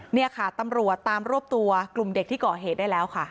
นี่ค่ะตำรวจตามรวบตัวกลุ่มเด็กที่ก่อเหตุได้แล้วค่ะ